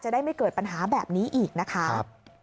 ได้ไม่เกิดปัญหาแบบนี้อีกนะคะ